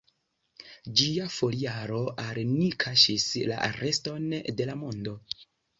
Ĝia foliaro al ni kaŝis la reston de la mondo.